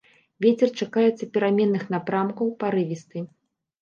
Вецер чакаецца пераменных напрамкаў, парывісты.